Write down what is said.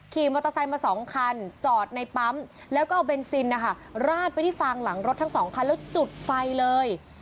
ขี่มอเตอร์ไซค์มาสองคันจอดในปั๊มแล้วก็เอาเบนซินนะคะราดไปที่ฟางหลังรถทั้งสองคันแล้วจุดไฟเลย